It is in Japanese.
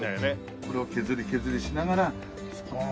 これを削り削りしながらスポッと。